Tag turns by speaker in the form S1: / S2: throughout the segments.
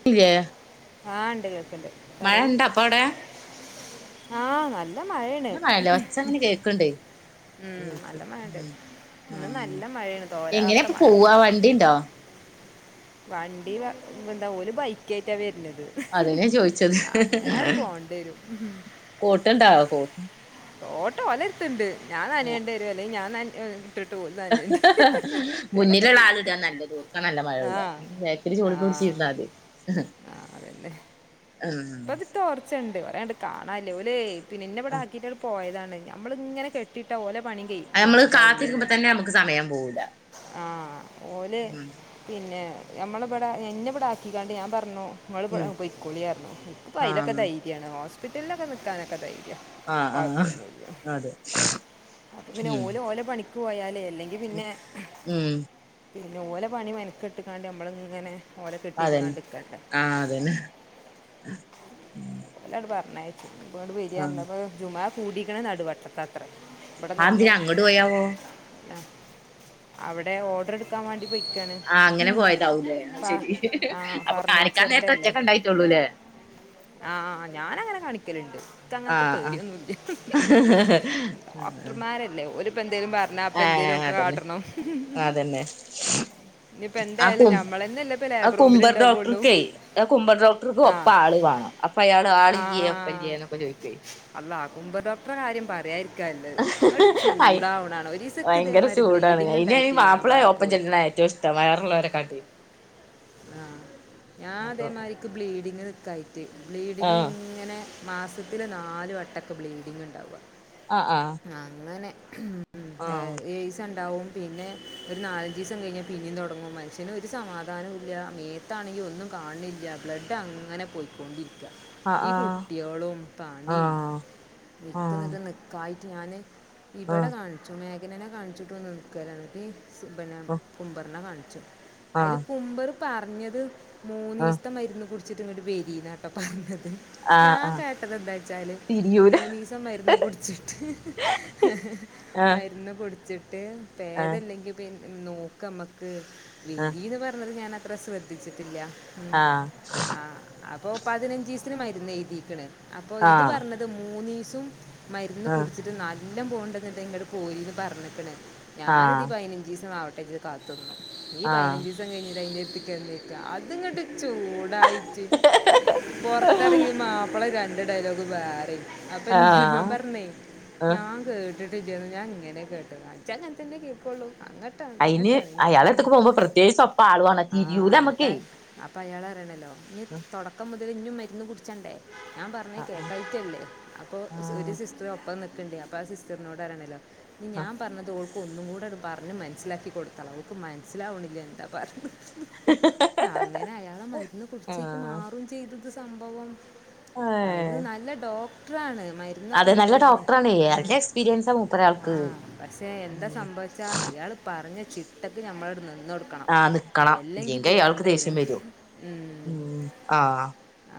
S1: [unintelligible]
S2: ആഹ് ഇണ്ട് കേക്ക്ണ്ട്
S1: മഴ
S2: പറയ്
S1: ഇണ്ടാ അപ്പ അവിടെ
S2: ആഹ് നൽ നല്ല മഴയാണ്
S1: ഇവിടെ മഴല്ല ഒച്ച അങ്ങനെ കേക്ക്ണ്ട്
S2: ഉം നല്ല മഴണ്ട് ഇന്ന്
S1: ആഹ്
S2: നല്ല മഴയാണ് തോരാത്ത
S1: എങ്ങനെപ്പൊ
S2: മഴ
S1: പോവാ വണ്ടിണ്ടോ
S2: വണ്ടി [unintelligible] ഓല് ബൈക്കേറ്റ വെര്നത്
S1: അതന്നെ ചോയിച്ചത്
S2: അങ്ങനാണ്ട് പോൺണ്ടെരും
S1: കോട്ട്ണ്ടാ കോ
S2: കോട്ടോലെര്ത്ത്ണ്ട് ഞാൻ നനേണ്ട് രും അല്ലേങ്കി ഞാൻ നൻ ഇഹ്
S1: [unintelligible] മുന്നിലുള്ള
S2: ചെയ്യും
S1: ആൾ ഇടാനല്ലത് ഒർക്ക നല്ല മഴ
S2: ആ
S1: കൊള്ള ബാക്കിൽ [unintelligible] പുടിച്ചിര്ന്നാതി
S2: ആഹ് അതന്നേ ഇപ്പ ത് തോർച്ചണ്ട് ഒരാണ്ട് കാണാല്ല ഓലെ പിന്നെ ന്നേവ്ടെ
S1: ആഹ്
S2: ആക്കിയിട്ട് പോയതാണ് ഞമ്മളിങ്ങനെ കെ ട്ടിട്ട ഓലെ പണിം കെയ്
S1: അത്
S2: മാ
S1: നമ്മള്
S2: താവൂലല്ലോ
S1: കാത്തിരിക്കുമ്പോ തന്നെ നമുക്ക് സമയം പോവൂല
S2: ആഹ് ഓല്
S1: ഉം
S2: പിന്നെ ഞമ്മളെപടെ ഇന്നേ ബടെ ആക്കിക്കാണ്ട് ഞാൻ പറഞ്ഞു ങ്ങള് പൊ
S1: ഉം
S2: പോയിക്കോളിറഞ്ഞു ക്ക്‌ പ്പോ അയ്ലൊക്കെ
S1: ആഹ്
S2: ദൈര്യാണ് ഹോസ്പിറ്റലിലൊക്കെ നിൽക്കാനൊക്കെ ധൈര്യാ
S1: ആഹ് ആഹ്
S2: കുഴപ്പൊന്നില്ല
S1: അതെ
S2: അപോ പിന്നെ
S1: ഉം
S2: ഓല് ഓലെ പണി ക്ക് പോയാലെ അല്ലെങ്കി പിന്നെ
S1: ഉം
S2: പിന്നെ ഓലെ പണി മെനക്കെട്ട്ക്കാണ്ട് ഞമ്മള് ങ്ങനെ
S1: അതെൻ ആഹ് അതെന്നെ
S2: [unintelligible] പറഞ്ഞയച്ചു പ്പൊ ങ്ങട്ട് വെരാറ്ഞ്ഞു അപ്പൊ ജുമാ കൂടിക്കണ നടുവട്ടത്താ ത്രേ ബടെ നിന്നും
S1: അതെന്തിനാ അങ്ങോട്ട് പോയാവോ
S2: ഇഹ് അവിടെ ഓർഡർ ഇടുക്കാൻ വേണ്ടി പോയിക്കാണ്
S1: ആഹ് അങ്ങനെ
S2: ഉം.
S1: പോയതാവൂലേ അത്
S2: ഫ-
S1: ശെരി
S2: ആ
S1: അപ്പൊ കാണിക്കാൻ
S2: ഫർണിച്ചറിൻ്റെ
S1: നേരത്ത് ഒറ്റക്കെണ്ടായിട്ടോള്ളൂല്ലേ
S2: ആഹ് ഞാനങ്ങനെ കാണിക്കല്ണ്ട് ക്ക് അങ്ങനത്തെ
S1: ആഹ് ആഹ്
S2: പേടിയൊന്നുല്ല ഡോക്ടർമാരല്ലേ ഒരുപ്പന്തേലും പറ
S1: ഏഹ് അതന്നെ അതന്നെ
S2: ഇനിയിപ്പോൾ
S1: ആ
S2: എന്തായാലും
S1: കും
S2: നമ്മൾ തന്നെയല്ലേ ഇപ്പോൾ
S1: ആ
S2: ലേബർ റൂമിൽ
S1: കുമ്പർ
S2: ഉണ്ടാവുള്ളൂ
S1: ഡോക്ടർക്കേ ആ കുമ്പർ ഡോക്ടർക്ക്
S2: ആ
S1: ഒപ്പം ആൾ വേണം അപ്പയാള് ആളില്ലേ ഒപ്പല്ല്യേ ന്നൊക്ക ചോയ്ക്കൊയ്
S2: അള്ളാ കുമ്പർഡോക്ടറെ കാര്യം പറയായിരിക്ക ക്ക നല്ലത് ങ്ങട്
S1: അയ്
S2: ചൂടാവ്ണാണ് ഒരീസം ക്ക്
S1: ഭയങ്കര
S2: ഇതേമാതിരി
S1: ചൂടാണ്
S2: ബ്ലീഡിങ്ണ്ടായിറ്റ് ഞാ പ പോയി
S1: തന്നാറ് ള്ളോലെ കാട്ടി
S2: ആഹ്
S1: അപ്പൊ
S2: ഞാനിതേമാതിരിക്ക് ബ്ലീഡിങ് നിക്കായിട്ട് ബ്ലീഡിങ്
S1: ആഹ്
S2: ഇങ്ങനെ മാസത്തില് നാല് വട്ടം ക്ക് ബ്ലീഡിംങ്ങ് ഇണ്ടാവ്അ
S1: അഹ് ആഹ്
S2: അങ്ങനെ മ് എ
S1: ആഹ്
S2: ഏഴ്സം ണ്ടാവും പിന്നെ ഒരു നാലഞ്ചിസം കഴിഞ്ഞാ പിന്നിം തൊടങ്ങും മനുഷ്യന് ഒരു സമാധാനോം ഇല്ല മേ ത്താണെങ്കിൽ ഒന്നും കാണ് ണില്ല ബ്ലഡ് അങ്ങനെ പോയ്ക്കൊണ്ടിരിക്ക ഈ
S1: ആഹ്
S2: കുട്ടിയോളും പണിം
S1: ആഹ്
S2: ഇക്ക്
S1: ആഹ്
S2: ന്ന്ട്ട് നിക്കാൻ ക്കായിറ്റ് ഞാന് ഇബടെ
S1: ആഹ്
S2: കാണിച്ചു മേഘനനെ കാണിച്ചിട്ടും നിക്കാ [unintelligible] പിന്നെ കുമ്പർനെ കാണിച്ചു
S1: ആഹ് ആഹ്
S2: അയ്ല്
S1: ആഹ്
S2: കുമ്പറ് പറഞ്ഞത്
S1: ആഹ്
S2: മൂന്നീസ്ത്തെ മരുന്ന് കുടിച്ചിട്ട് ഇങ്ങട്ട് വെരിന്നാട്ടോ പറഞ്ഞത്
S1: ആഹ്
S2: ഞാൻ
S1: ആഹ്
S2: കേട്ടത് എന്താച്ചാല്
S1: തിരിയൂല
S2: മൂന്നീസം മരുന്ന് കുടിച് [unintelligible]
S1: ആഹ്
S2: മരുന്ന് കുടിച്ചിട്ട്
S1: ആഹ്
S2: പേദല്ലെങ്കി പിൻ നോക്കമ്മക്ക്
S1: ആഹ്
S2: വെരീന്ന് പറഞ്ഞത് ഞാൻ അത്ര ശ്രദ്ധിച്ചിട്ടില്ല
S1: ആഹ്
S2: ആഹ് അപ്പൊ പതിനഞ്ചീസ്ത്തിന് മരുന്ന് എഴുതിക്ണ് അപ്പൊ ഇത്
S1: ആഹ്
S2: പറഞ്ഞത് ത് മൂന്നീസും മരുന്ന് കുടിച്ചിട്ട് നല്ലം പോണ്ടെങ്കെത്തെ ഇങ്ങട് പോരിന്ന് പറഞ്ഞിക്ക്ണ് ഞാനിത് ഈ
S1: ആഹ്
S2: പയിനഞ്ചിസം ആവട്ടെച്ച് ട്ട് കാത്ത്ന്നു ഈ
S1: ആഹ്
S2: പയിനഞ്ചിസ സം കഴിഞ്ഞിട്ട് അയിന്റെ അട്ത്ത്ക്ക് ചെന്നേയ്ക്ക് അതിങ്ങട്ട് ചൂടായിറ്റ്
S1: ആഹ്
S2: പൊറത്തെറങ്ങി മാപ്പള രണ്ട് ഡയലോഗ് വേറിം അപ്പം ഞാൻ
S1: ആഹ്
S2: പറഞ്ഞേ
S1: ആഹ്
S2: ഞാൻ കേട്ടിട്ട്ല്ലന്നു ഞാൻ ഇങ്ങനെ കേട്ടത് ഇജ്ജങ്ങൻത്തന്നെ കേക്കോള്ളൂ അങ്ങ
S1: അയിന് അയാളെട്ത്ത്ക്ക് പോവുമ്പോ പ്രത്യേകിച്ച് ഒപ്പം ആളുവേണം തിരിയൂല അമ്മക്കെയ്
S2: അപ്പൊ അയാളറിയണല്ലോ ഇഞ് തൊടക്കം മുതൽ ഇഞ്ഞും മരുന്ന് കുട്ച്ചണ്ടേ ഞാൻ പറഞ്ഞേയ്
S1: ആഹ്
S2: കേക്കായിറ്റല്ലേ അപ്പൊ ഒരു
S1: ആഹ്
S2: സിസ്റ്റർ ഒപ്പം നി ട്ട്ണ്ട് അപ്പാ സിസ്റ്ററിനോടറ്യാണല്ലോ ഇഞ് ഞാൻ പറഞ്ഞത് ഓൾക്ക് ക്കൊന്ന്കൂടണ്ട് പറഞ് മനസിലാക്കി കൊട്താളാ ഓൾക്ക് മനസ്സിലാവ്ന്നില്ല ന്താ പറയുന്നത്ന്ന്
S1: ഉ [inaudible]
S2: ആങ്ങന അയാളെ മര്ന്ന് കുട്ച്ചിക്ക് മാറും ചെയ്ത് അത് സംഭവം അത്
S1: ഏഹ്
S2: നല്ല ഡോക്ടറാണ്. മരുന്നൊക്കെ നല്ലെയ്ന്നെ
S1: ഏല്ല എസ്പീരിയൻസാ മൂപ്പരാൾക്ക്.
S2: പക്ഷേ എന്താ സംഭവിച്ചാൽ അയാൾ പറഞ്ഞ ചിട്ടക്ക് ഞമ്മളങ്ങണ്ട് നിന്നൊട്ക ക്കണം
S1: ആഹ് നിക്കണം
S2: അല്ലെങ്കി
S1: ഇല്ലെങ്കി അയാൾക്ക് ദേഷ്യം
S2: പിരാന്തെരും
S1: വരും
S2: ഉം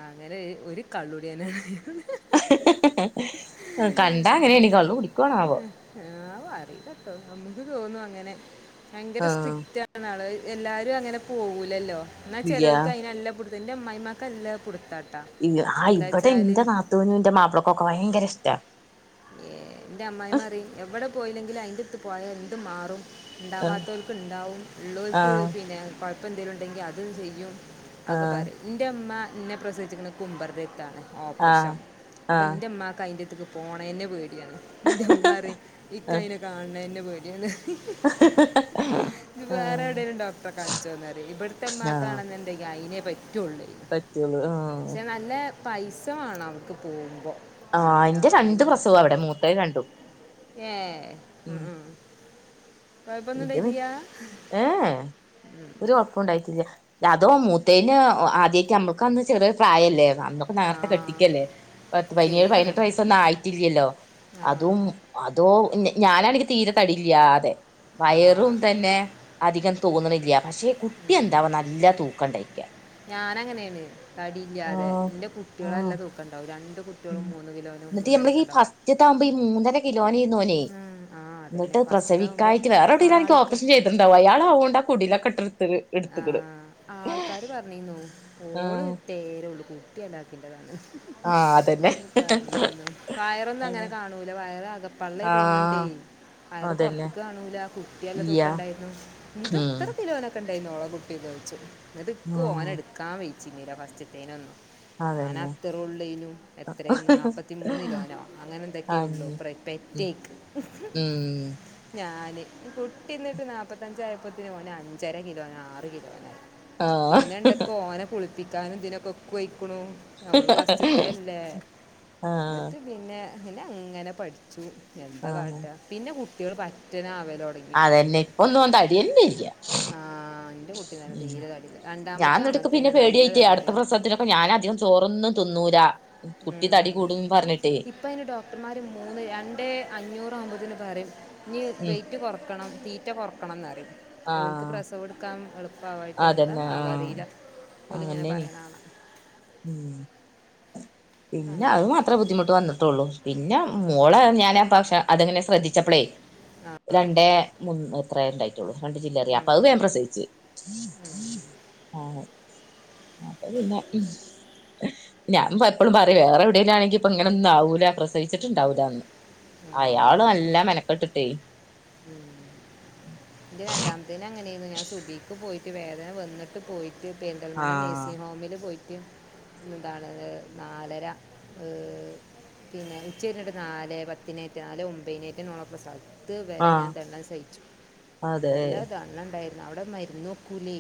S2: അങ്ങനെയ് ഒര് കള്ളൂട്യെന
S1: [inaudible] കണ്ടാ അങ്ങനേനി. കള്ള് കുടിക്ക്വാണാവൊ
S2: ആവോ അറീലട്ടോ നമക്ക് തോന്നു അങ്ങനെ ഭയങ്കര
S1: ആഹ്
S2: സ്ട്രിക്റ്റാ ന്നാള് എല്ലാരു അങ്ങനെ പോവൂലല്ലോ
S1: ഇല്ല
S2: ഇന്നാചെലോർക്കയ്നല്ല പുട് ഇത് ഇൻ്റെ അമ്മായിമാക്കല്ല പുട്ത്ത
S1: ഇങ് ആ ഇ ബെടെ ഇന്റെ നാത്തുനും ഇന്റെ മാപ്ലക്കൊക്കെ ഭയങ്കര ഇഷ്ടാ
S2: ഇന്റെ അമ്മായിമ്മറിം. എവടെ പോയിലെങ്കിലും അയ്ന്റെത്ത് പോയാൽ എന്തും മാറും
S1: ആഹ്
S2: ഇണ്ടാവാത്തോൽക്ക് ഇണ്ടാവും ഇള്ളോൽക്ക്
S1: ആഹ്
S2: പിന്നെ കൊഴപ്പന്തേലുണ്ടെങ്കി അത് ചെയ്യും ആക്കെ
S1: ആഹ്
S2: പറിം ഇന്റെ ഇമ്മ ഇന്നെ പ്രസിവിച്ച് ക്ക്ണത് കുമ്പർന്റെട്ത്താണ്
S1: ആഹ്
S2: ഓപ്രഷം അപ്പ ഇന്റെ ഇമ്മാക്ക് അയ്ന്റെത്ക്ക് പോണേന്നെ പേഡ്യാണ്. ഇന്റെമ്മറിം
S1: ആഹ്
S2: ഇക്കയ്നെ കാണ് ണ ന്നെ പേട്യാണ് ഇത്
S1: ആഹ്
S2: വേറെവ്ടേലും ഡോക്ടറെ കാണിചോന്നറിം. ഇബ്ട്ത്തെ
S1: ആഹ്
S2: ഇമ്മാക്കാണ്ന്ന്ണ്ടെങ്കി അയിനെ പറ്റൊള്ളേ
S1: പറ്റുള്ളൂ ആഹ്
S2: ക്ഷെ നല്ല പൈസവാണം അവ്ട്ക്ക് പോവുമ്പോ
S1: ആ ഇന്റെ രണ്ട് പ്രസവം അവ്ടെ മൂത്തേത് രണ്ടും
S2: ഏഹ് ഉം ഉം കുഴപ്പമൊന്നും
S1: ഇത്
S2: ഉണ്ടായിട്ടില്ല
S1: ഏഹ് ഏഹ് ഒര് കൊഴപ്പു ഉണ്ടായിട്ടില്ല. അതോ മൂത്തേന് ആധ്യായിറ്റമ്മക്കന്ന് ചെറ്യേ പ്രായല്ലേന്ന അന്ന് ഇപ്പ
S2: ആ
S1: നേർത്തെ കെട്ടിക്കല്ലേ പത്ത് പതിനേഴ്
S2: ശരിയാണ്
S1: പയ്നെട്ട് വയസ് റ്റൊന്നായിറ്റില്ലല്ലോ
S2: ആ
S1: അതും അതോ ഞാനാനെങ്കി തീരെ തടി ഇല്ലാതെ.
S2: ആ
S1: വയറും തന്നെ അധികം തോന്ന്ണില്ല. പക്ഷെ കുട്ട്യെന്താവാ നല്ല തൂക്കണ്ടായ്ക്കാ
S2: ഞാനങ്ങനേന്ന്. തടി ഇല്ല്യാതെ
S1: ആഹ്
S2: ഇന്റെ
S1: ആഹ്
S2: കുട്ട്യാളല്ല തൂക്കണ്ടാവും രണ്ട് കു കുട്ട്യോള് മൂന്ന് കിലോനും മൂന്നരെക്കൊണ്ടാവും.
S1: ച്ച് തമ്പി മൂന്ന കിലോനേന്നോന്
S2: ഉം, ആ അതന്നെ
S1: ഇന്നട്ട്
S2: ഫസ്റ്റത്തെ ആകുമ്പോൾ
S1: പ്രസവിക്കായിട്ട് വേറെവ്ടേലാണെങ്കി
S2: ആൾക്ക്
S1: ഓപ്പറേഷൻ ചെയ് ഇണ്ടാവും. അയാളവോണ്ടാ കുടിലൊക്കെ ഇട്ടൊട്ത്തത്
S2: ആഹ് ആൾക്കാര് പറഞീന്നു ഓള്
S1: ആഹ്
S2: തേരൊള്ളു. കുട്ടി അലാക്കിന്റെതാണ്ന്ന്
S1: ആഹ് അതന്നെ
S2: പറഞ്ഞീന്നു. വയറൊന്നും അങ്ങനെ കാണൂല വയറകപ്പള്ളെ
S1: ആഹ്
S2: തോന്ന്ണ്ടെയ് വയറ്
S1: അതന്നെ
S2: പൊറ്ത്ത്ക്ക് കാണൂല കു
S1: ഇല്ല്യ
S2: കുട്ടിയല്ലതൂക്കണ്ടായിര്ന്നു. ഇത്
S1: ഉം
S2: ഇത്ര കിലോനൊക്കെ ഇണ്ടായിന്നോ ഓളെ കുട്ടീന്ന് ചോയ്ച്ചും. ഇന്നട്ട് ഇക്ക് ഓനെ
S1: ആഹ്
S2: ഇട് ക്കാൻ വെയ്ച്ചിന്നില ഫസ്റ്റ്തേനൊന്നും
S1: അതന്നെ
S2: ആനത്തറൊള്ളേനു. എത്രേന്ന് നാപ്പത്തിമൂന്ന് കിലോനോ അങ്ങനെന്തൊക്കെയൊള്ളു.
S1: ആഹ്
S2: [unintelligible]
S1: ഉം
S2: ത്തേക്ക്
S1: ഉം
S2: ഞാന് കുട്ടി ഇന്നട്ട് നാപത്തഞ്ചായപ്പോത്തിന് ഓനഞ്ചരകിലോനാറ് കിലോനായി.
S1: ആഹ്
S2: പിന്നണ്ടക്ക് ഓനെ കുളിപ്പിക്കാനും ഇതിനൊക്കെ ഇക്ക് വയ്കുണു ഞമ്മള് ഫസ്റ്റ്ത്തല്ലേ
S1: ആഹ്
S2: ഇന്നട്ട് പിന്നെ പിന്നങ്ങനെ പഠിച്ചു. എന്താ
S1: ആഹ്
S2: കാട്ടാ പിന്നെ കുട്ട്യാള് പറ്റെനാവലൊട്ങ്ങി
S1: അതെന്നെ ഇപ്പന്നോൻ തട്യന്നെല്ല്യ
S2: ആ എൻ്റെ കുട്ടി നല്ല
S1: ഉം
S2: തീരെ തടിയില്ല
S1: ഞാൻ
S2: രണ്ടാമത്തെ
S1: ഇന്നട്ട്ക്
S2: അങ്ങനെ
S1: പിന്നെ
S2: തന്നെ നല്ല
S1: പേടിയായിട്ടേ
S2: തടിയുണ്ട്
S1: അടുത്തപ്രസവത്തിനൊ അപ്പൊ ഞാൻ അധികം ചോറൊന്നും തിന്നൂല കുട്ടി തടി കൂടും പറഞ്ഞിട്ടേ
S2: അപ്പയ്ന് ഡോക്ടർമാര് മൂന്ന് രണ്ട് അഞ്ഞൂറാഹ്മ്പതിന് പറയും ഞ്ഞി
S1: ഉം
S2: വെയിറ്റ് കുറക്കണം തീറ്റ കുറക്കണം ന്നറിം ഓൽക്ക്
S1: ആഹ്
S2: പ്രസവം എടുക്കാൻ എള് പവായിട്ട്
S1: അതന്നെ
S2: എന്താന്നാവോ
S1: ആഹ്
S2: അറിയില ഓല്ങ്ങനെ
S1: അങ്ങനെനി
S2: പറിണാണ
S1: ഉം പിന്നെ അഹ്
S2: അങ്ങനെയൊക്കെ
S1: മാത്രേ ബുദ്ധിമു പ്പ വന്ന്ട്ടൊള്ളു പിന്നെ ഓളെ ഞാന് പാവ്ശ്യം അതെങ്ങനെ ശ്രദ്ധിച്ചപ്പളെ
S2: ആ
S1: രണ്ടേ മൂന്ന് എത്രേണ്ടായി റ്റൊള്ളൂ രണ്ട് ജില്ലറിയ
S2: ഉം.
S1: അപ്പൊ അഹ് വേം പ്രസവിച്ച് ആഹ് അപ്പൊ പിന്ന ഞാൻ പ എപ്പളും പറയും വേറെ എവിടേലാണെങ്കി പ്പങ്ങനെ ഒന്നും ആാവൂല്ല പ്രസവിച്ചിട്ടുണ്ടാവൂല്ലന്ന്
S2: ആ
S1: അയാൾ
S2: അതെ
S1: നല്ല മെനക്കെട്ടിട്ടേ
S2: ന്റെ രണ്ടാമത്തേന് അങ്ങനെയായിരുന്നു ഞാൻ സുബ്ഹിക്ക് പോയിട്ട് വേദന വന്നിട്ട് പോയി് ട്ട് പേന്തൽമണ്ണ
S1: ആഹ്
S2: നഴ്സിംഗ് ഹോമില് പോയിട്ട് എന്താണ് നാലര പിന്നെ ഉച്ചരിഞ്ഞിട്ട് നാല് പത്തിനേറ്റ നാല് ഒമ്പതിനേറ്റ നൂള പ്രസായി ഇതു വരെ
S1: ആഹ്
S2: ഞാൻ തെണ്ണം സഹിച്ചു
S1: അതെ
S2: നല്ലതണ്ണണ്ടായിരുന്നു അവിടെ മരുന്നോക്കൂലേ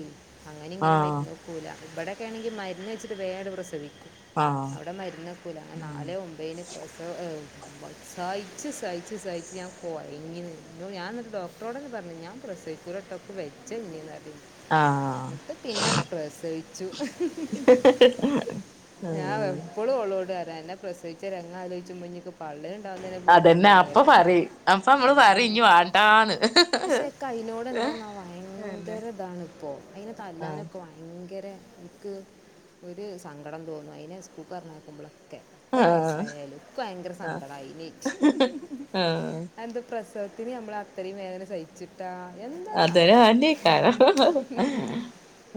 S2: അങ്ങനി ഇങ്ങനി
S1: ആഹ്
S2: മരുന്നോ ക്കൂല ഇവിടെക്കെണെങ്കി മരുന്ന്ച്ചിട്ട് വേട് പ്രസവിക്കും
S1: ആഹ്
S2: അവിടെ മരുന്നകുലാ
S1: ഉം
S2: നാലെ ഒമ്പൈന് പ്രസ സായിച്ച് സയിച്ച് സയിച്ച് ഞാൻ കൊയ്ങ്ങീന് [unintelligible] ഞാൻ ന്നട്ട് ഡോക്ടറോടന്നെ പറഞ്ഞു ഞാൻ പ്രസവിക്കൂലട്ടൊ ക്ക്‌ വെജ്ജ ഞ്ഞി അറി
S1: ആഹ്
S2: ട്ട് പിന്നെട് പ്രസവി ചു ഞാൻ
S1: ഉം
S2: എപ്പളു ഓളോട് അറിയൂ അന്നെ പ്രസവിച്ച രങ്ങ ആലോയ്ചുമ്പൊ ഞ്ഞി ഇൻക്ക് പള്ളേണ്ടാവുന്നന്നെ പൂതില്യന്നറിം
S1: അപ്പ മ്മള് പറി ഞ് വാണ്ടാന്ന്
S2: പക്ഷെ ക്കയ്നോട് എന്താന്നാ
S1: അന്നെ
S2: വയങ്കരതാണ്പ്പോ അയിനെ
S1: ആഹ്
S2: തല്ലാനൊക്കെ വാ ങ്കര ഇൻക്ക് ഒരു സങ്കടം തോന്നും അയ്നെ സ്കൂൾക്കർഞേക്കുമ്പളൊക്കെ ത്ര
S1: ആഹ്
S2: വയസായാലും ക്ക്‌ ഭയങ്കര
S1: ആഹ്
S2: സങ്കടാ അയ്നേറ്റ്
S1: ആഹ്
S2: അഎന്ത പ്രസവത്തിന് നമ്മൾ അത്രയും വേദന സഹിച്ചി ട്ടാ
S1: അതൊരു
S2: എന്തന്നാവോ
S1: ആന്നെക്കാരം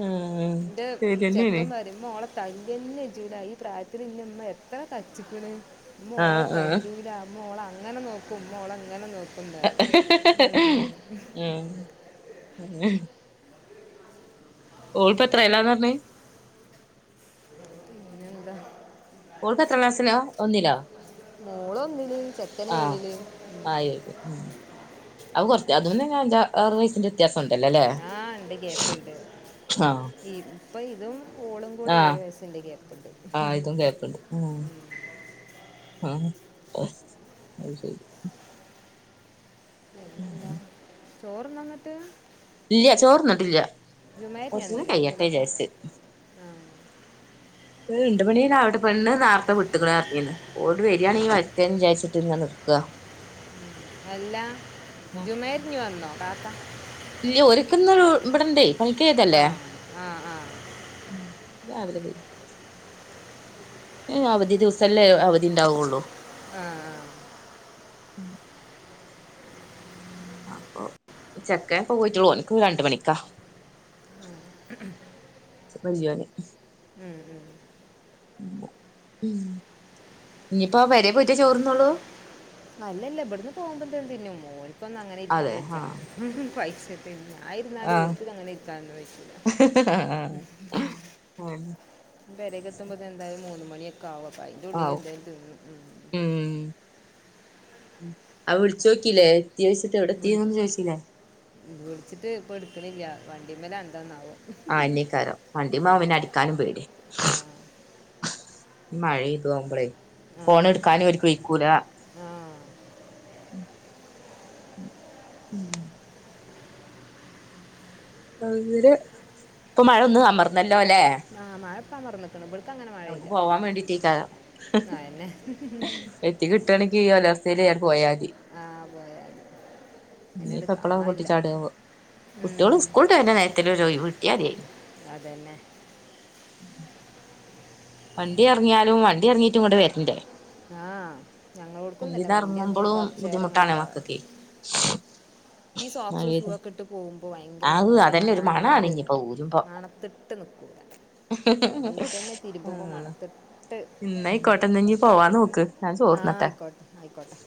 S1: ആഹ്
S2: ന്റെ
S1: ശരിയെന്നേണ്
S2: ചെക്കൻമാ തിമ്മ ഓളെ തല്ലെല്ലി ജ്ജ് ന്നയ് ഈ പ്രായത്തി ഇന്നമ്മ എത്ര തച്ചിക്ണ് മ്മ ഓളെ
S1: ആഹ് ആഹ്
S2: തല്ലൂല മ്മ ഓളെ അങ്ങനെ നോക്കും മ്മോളെങ്ങനെ നോക്കും താറിം തും ഉം
S1: ഉം ഓൾപ്പത്രേലാന്നർഞേ
S2: പിന്നെ എന്താ
S1: ഓളിപ്പ എത്രാം ക്ലാസ്സിലാ ഒന്നിലോ
S2: മോളൊന്നില് ചെക്കന് ഏഴില്
S1: ആയിക്കെ അഉ കൊർച്ച അതുംനെ ഞാ അഞ്ച ആറു വയസിന്റെ ത്യാസംണ്ടല്ലോല്ലേ
S2: ആ ഉണ്ട്
S1: ആഹ്
S2: പ്പൊ ഇതും ഓളും കൂടെ
S1: ആഹ്
S2: ഏഴു വയസ്സിന്റെ ഗ്യാപ്ണ്ട്
S1: ഓഹ് ആഹ് ഒഹ് അഹ് ശരി ഉം
S2: ചോറ്ന്ന ന്നിട്ട്
S1: ഇല്ല്യ ചോർന്നിട്ടില്ല്യ
S2: ജുമായിരുന്നു ഞാൻ
S1: കുർചൂടിം കയ്യട്ടെ
S2: നീലാറ്റലൊക്കെ
S1: ജാര്ച്ച്
S2: ആ
S1: ഈ ണ്ട് പണിലാടെ പെണ്ണ് നേർത്തെ വിട്ട്ക്ക്‌ണ്ർഞ്ഞിന്ന് ഓൾട് വരാനേം വര്ട്ടെന്ന് വിചാരിച്ചിട്ട്ങ്ങെ നിക്ക
S2: എല്ലാ ജുമേഞ് വന്നോ കാത്ത
S1: ഇല്ല്യ ഓല്ക്ക്‌ന്ന് ളു ഇബടണ്ടേ
S2: ആ
S1: പനിക്കോയ്തല്ലേ
S2: ആ ആ
S1: ഉം രാവിലെ പോയി എഹേ അവധി ദിവസല്ലേ അവധിണ്ടാവൊള്ളൂ?
S2: ആഹ
S1: അപ്പൊ ചെക്കേൻ ഇപ്പൊ പോയിട്ടൊള്ളു ഓൻക്ക്‌ രണ്ട്മണിക്കാ
S2: മ്
S1: വെല്ല്യോന്
S2: ഉം ഉം
S1: ഉം ഞ്ഞിപ്പാ പെരേ പോയിട്ടേ ചോറ്ന്നോള്ളൂ
S2: അല്ലല്ല ഇബട്ന്ന് പോകുമ്പോ എന്തേലും തിന്നും ഓനിക്കൊന്നും അങ്ങനെ
S1: അതെ
S2: ഇരിക്കാവെജ്ജാ
S1: ആഹ്
S2: പയ്ച്ച് പിന്നെ ഞായിരുന്നാലും ഓൽക്ക് അങ്ങനെ ഇര്ക്കാനൊന്ന് വെയ്ക്കൂല
S1: ആഹ ആഹ അഹന്നെ
S2: പെരേക് എത്തുമ്പോതിനെന്തായാലും മൂന്ന് മണിയൊക്കെ ആവും അപ്പയിന്റെ ഉള്ളിലെന്തേലും തിന്നും ഉം.
S1: ഉംഹ് അപ് വിളിച്ചോകിലേ എത്യോയ്ച്ചിട്ട് എവിടെത്തീന്നൊന്നും ചോയ്ച്ചിലേ?
S2: വിള്ച്ചിട്ട് ഇപ്പം ഇട്ക്ണില്ല്യ വണ്ടിമ്മെലാ എന്താന്നാവോ
S1: അഹെന്നെക്കാരം വണ്ടിമ്മാവുമ്പോ പിന്നടിക്കാനും പേടിയാ
S2: ആ
S1: ഈ മഴേതു ആവുമ്പളെ
S2: ആ
S1: ഫോണ് ട്ക്കാനും ഓര്ക്ക് വെയ്ക്കൂല
S2: ആ
S1: ഉ ഉം അങ്ങനെ ഇപ്പൊ മഴൊന്ന് അമർന്നല്ലൊലേ?
S2: ആഹ് മഴെപ്പാ അമർന്ന്ക്ക്ണ് ഇബട്ക്കങ്ങനെ മഴയില്ല
S1: പോവാൻ വേണ്ടിട്ടേക്കാരം
S2: അഹന്നെ
S1: എത്തി കിട്ടാണെങ്കി ഈ കാലാവസ്ഥയില് ആണ്ട് പോയാതി
S2: ആ പോയായിരുന്നു എന്നോട്
S1: ഇഞ്പ്പം എപ്പളാവൊ പൊട്ടി
S2: കാണാനില്ല
S1: ചാടാവോ?
S2: ഉം.
S1: കുട്ടിയോള് സ്കൂള്ട്ട് വെര്ന്ന നേരെത്തേലൊരു ഒഴിവ് കിട്ടിയാതേനി
S2: അതന്നെ
S1: വണ്ടിയെറങ്ങിയാലും വണ്ടിയെറങ്ങിട്ട്ങ്ങട്ട് വെര്ണ്ടെ?
S2: ആ ഞങ്ങളോടക്കും തന്നെ വണ്ടി ഇറങ്ങി
S1: വണ്ടീന്നെറങ്ങുമ്പോളും
S2: കുറച്ച് നേരം അങ്ങോട്ട്
S1: ബുദ്ധിമുട്ടാണെ
S2: പോകാം
S1: മക്കക്കെ
S2: ഈ സോക്സും ഷൂ
S1: മഴേത്
S2: ഒക്കെയിട്ട് പോകുമ്പോ
S1: ആഹ്
S2: ഭയങ്കരെട്ങ്ങേറാ ഈ
S1: അതന്നെ ഒരു മണാണ്
S2: നാനഞ്ഞാലെ
S1: ഇഞ്ഞിപ്പോ ഊരുമ്പോ
S2: മണത്ത്ട്ട് ന്ക്കൂല
S1: മ്
S2: മണത്തിട്ട്
S1: ഇന്നയിക്കോട്ടെ ഇന്നാഞ് പോവാനോക്ക് ഞാൻ ചോറ്ന്നെട്ടെ
S2: കോട്ടെ ആയിക്കോട്ടെ